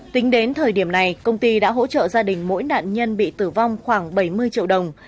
tính đến thời điểm này công ty đã hỗ trợ gia đình mỗi nạn nhân bị tử vong khoảng bảy mươi triệu đồng